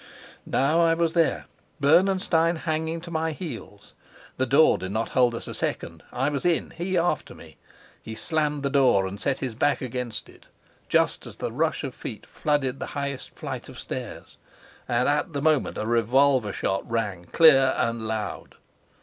Now I was there, Bernenstein hanging to my heels. The door did not hold us a second. I was in, he after me. He slammed the door and set his back against it, just as the rush of feet flooded the highest flight of stairs. And at the moment a revolver shot rang clear and loud.